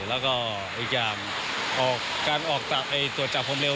และก็อีกอย่างการออกตัดตัวจับผมเร็ว